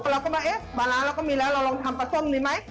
เราก็มาเอ๊ะปลาร้าเราก็มีแล้วเราลองทำปลาส้มดีไหม